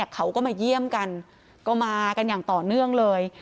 เขาก็มาเยี่ยมกันก็มากันอย่างต่อเนื่องเลย